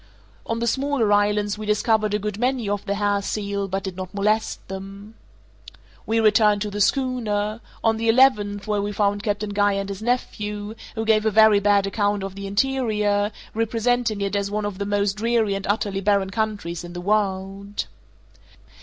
On the smaller islands we discovered a good many of the hair seal, but did not molest them. We returned to the schooner on the eleventh, where we found Captain Guy and his nephew, who gave a very bad account of the interior, representing it as one of the most dreary and utterly barren countries in the world.